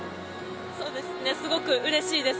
すごくうれしいです。